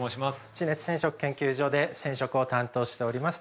地熱染色研究所で染色を担当しております